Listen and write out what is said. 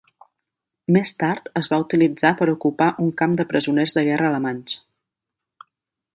Més tard, es va utilitzar per ocupar un camp de presoners de guerra alemanys.